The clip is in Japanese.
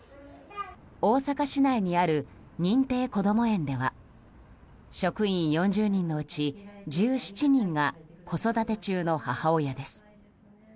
大阪市内にある認定こども園では職員４０人のうち１７人が子育て中の母親です。